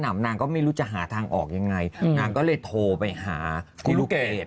นางก็ไม่รู้จะหาทางออกยังไงนางก็เลยโทรไปหาที่ลูกเกด